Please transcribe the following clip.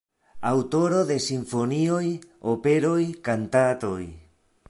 Aŭtoro de simfonioj, operoj, kantatoj.